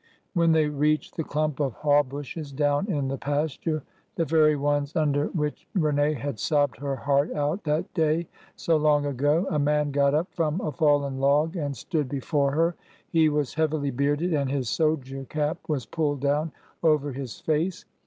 When they reached the clump of haw bushes down in the pasture— the very ones under which Rene had sobbed her heart out that day so long ago— a man got up from a fallen log and stood before her. He was heavily bearded, and his soldier cap was pulled down over his face.